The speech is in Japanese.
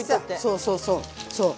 そうそうそうそう。